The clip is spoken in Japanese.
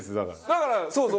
だからそうそう。